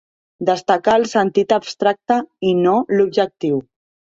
Destacar el sentit abstracte i no l'objectiu.